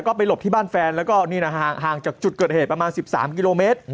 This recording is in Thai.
ก็ไปหลบที่บ้านแฟนแล้วก็นี่นะฮะห่างจากจุดเกิดเหตุประมาณ๑๓กิโลเมตร